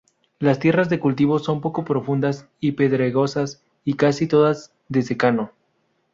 Las tierras de cultivo son poco profundas y pedregosas y casi todas de secano.